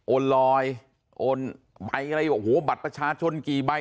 โอนรอยโอนแบตหัวของบัตรประชาชนกี่ใบ